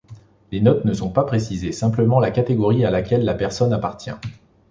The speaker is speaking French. Les notes ne sont pas précisées, simplement la catégorie à laquelle la personne appartient.